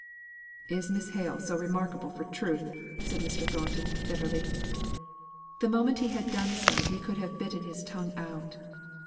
"Is Miss Hale so remarkable for truth?" said Mr. Thornton, bitterly. The moment he had done so, he could have bitten his tongue out.